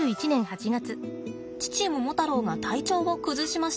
父モモタロウが体調を崩しました。